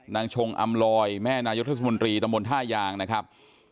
ชงอำลอยแม่นายกเทศมนตรีตำบลท่ายางนะครับ